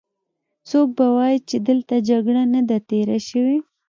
څوک به وايې چې دلته جګړه نه ده تېره شوې.